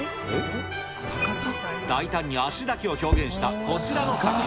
大胆に脚だけを表現したこちらの作品。